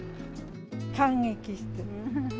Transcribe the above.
感激して。